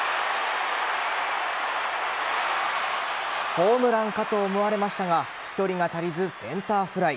ホームランかと思われましたが飛距離が足りずセンターフライ。